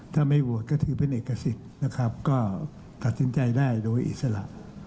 ถ้าไม่โหวตก็ถือเป็นเอกสิทธิ์นะครับก็ตัดสินใจได้โดยอิสระ